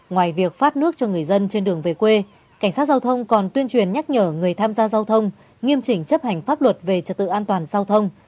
ngoài việc phát nước cho người dân trên đường về quê cảnh sát giao thông còn tuyên truyền nhắc nhở người tham gia giao thông nghiêm chỉnh chấp hành pháp luật về trật tự an toàn giao thông